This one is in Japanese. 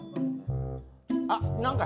あっ何か。